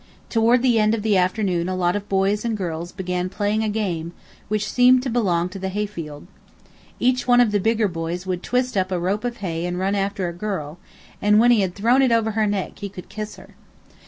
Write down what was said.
Toward the end of the afternoon a lot of boys and girls began playing a game which seemed to belong to the hayfield. Each one of the bigger boys would twist up a rope of hay and run after a girl, and when he had thrown it over her neck he could kiss her.